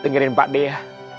tinggalin pak dea